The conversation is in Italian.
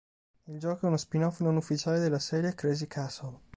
Il gioco è uno spin-off non ufficiale della serie "Crazy Castle".